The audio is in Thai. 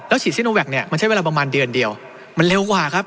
ฉีดซิโนแวคเนี่ยมันใช้เวลาประมาณเดือนเดียวมันเร็วกว่าครับ